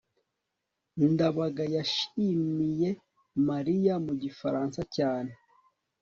ndabaga yashimiye mariya mu gifaransa cyane